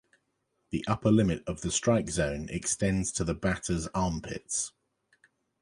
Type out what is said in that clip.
The upper limit of the strike zone extends to the batter's armpits.